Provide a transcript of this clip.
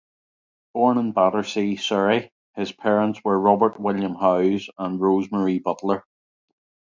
Born in Battersea, Surrey, his parents were Robert William Howes and Rose Marie Butler.